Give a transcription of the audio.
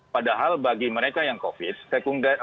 padahal bagi mereka yang covid